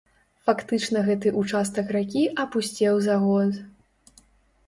Фактычна гэты ўчастак ракі апусцеў за год.